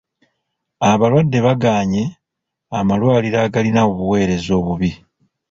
Abalwadde bagaanye amalwaliro agalina obuweereza obubi.